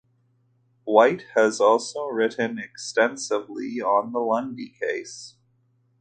White has also written extensively on the Lundy case.